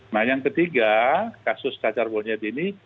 nah yang ketiga kasus cacar monyet ini